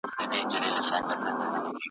چا راته ویلي وه چي خدای دي ځوانیمرګ مه که `